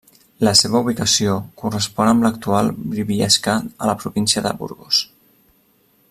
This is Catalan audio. La seva ubicació correspon amb l'actual Briviesca a la província de Burgos.